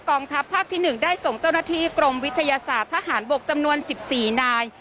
ทัพภาคที่๑ได้ส่งเจ้าหน้าที่กรมวิทยาศาสตร์ทหารบกจำนวน๑๔นาย